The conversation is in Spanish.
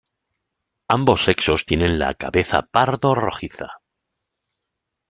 Ambos sexos tienen la cabeza pardo rojiza.